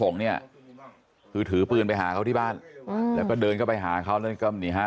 เนี่ยคือถือปืนไปหาเขาที่บ้านแล้วก็เดินเข้าไปหาเขาแล้วก็นี่ฮะ